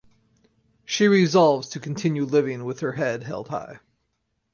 She resolves to continue living with her head held high.